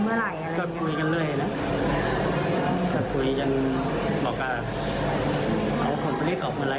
ก็คุยกันเรื่อยนะคุยกันบอกว่าเอาผลพลิกออกเมื่อไรถ้าไปจ่ายค่าเช่าหน้าค่าอะไร